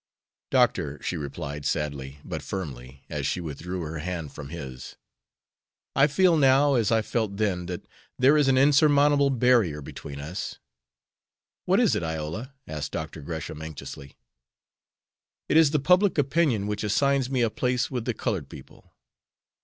"Doctor," she replied, sadly, but firmly, as she withdrew her hand from his, "I feel now as I felt then, that there is an insurmountable barrier between us." "What is it, Iola?" asked Dr. Gresham, anxiously. "It is the public opinion which assigns me a place with the colored people."